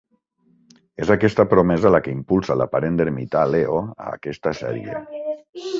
És aquesta promesa la que impulsa l'aparentment ermità Leo a aquesta sèrie.